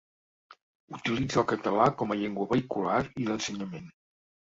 Utilitza el català com a llengua vehicular i d'ensenyament.